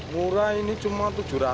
murah ini cuma tujuh ratus